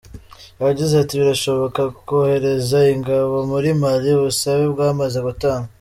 Yagize ati “Birashoboka kohereza ingabo muri Mali, ubusabe bwamaze gutangwa.